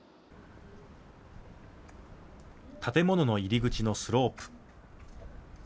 建物の入り口のスロープ。